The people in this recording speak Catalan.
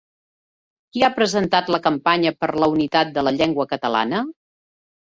Qui ha presentat la campanya per la unitat de la llengua catalana?